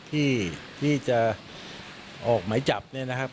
ที่จะออกไม้จับนี้นะครับ